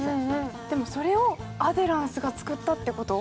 でもそれをアデランスが作ったってこと？